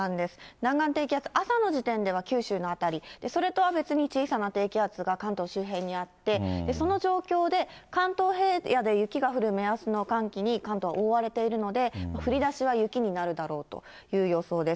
南岸低気圧、朝の時点では九州の辺り、それとは別に小さな低気圧が関東周辺にあって、その状況で、関東平野で雪が降る目安の寒気に関東はおおわれているので、降りだしは雪になるだろうという予想です。